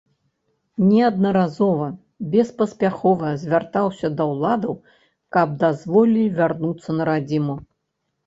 Неаднаразова беспаспяхова звяртаўся да ўладаў каб дазволілі вярнуцца на радзіму.